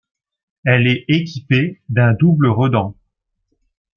Elle est équipée d'un double redent.